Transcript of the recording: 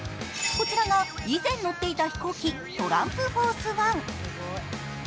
こちらが以前乗っていた飛行機、トランプ・フォースワン。